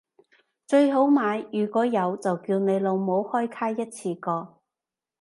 最好買如果有就叫你老母開卡一次過